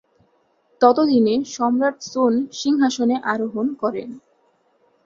ততদিনে সম্রাট সুন সিংহাসনে আরোহণ করেন।